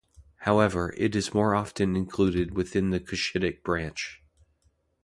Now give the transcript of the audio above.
However, it is more often included within the Cushitic branch.